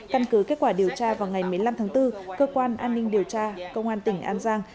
căn cứ kết quả điều tra vào ngày một mươi năm tháng bốn cơ quan an ninh điều tra công an tỉnh an giang